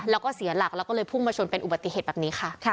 แล้วก็เสียหลักแล้วก็เลยพุ่งมาชนเป็นอุบัติเหตุแบบนี้ค่ะ